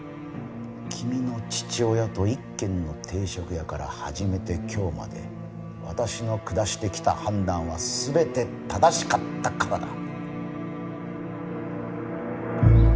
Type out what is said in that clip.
君の父親と一軒の定食屋から始めて今日まで私の下してきた判断は全て正しかったからだ。